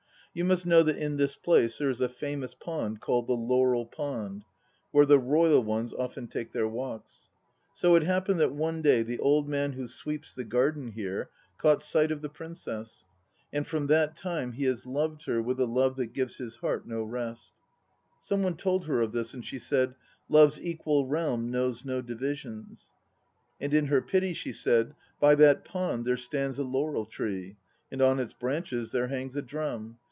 You must know that in this place there is a famous pond called the Laurel Pond, where the royal ones often take their walks; so it happened that one day the old man who sweeps the garden here caught sight of the Princess. And from that time he has loved her with a love that gives his heart no rest. Some one told her of this, and she said, "Love's equal realm knows no divisions," x and in her pity she said, "By that pond there stands a laurel tree, and on its branches there hangs a drum.